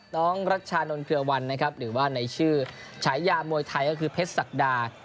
รัชชานนท์เคลือวันนะครับหรือว่าในชื่อฉายามวยไทยก็คือเพชรศักดา